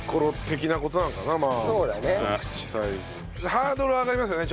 ハードル上がりますよね